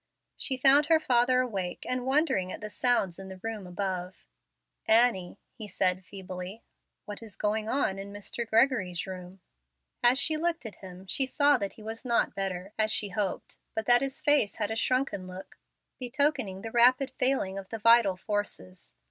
She found her father awake, and wondering at the sounds in the room above. "Annie," he said, feebly, "what is going on in Mr. Gregory's room?" As she looked at him, she saw that he was not better, as she hoped, but that his face had a shrunken look, betokening the rapid failing of the vital forces.